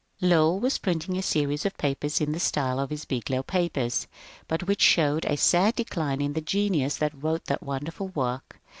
Lowell was printing a series of papers in the style of his ^^Biglow Papers," but which showed a sad decline in the genius that wrote that wonderful work.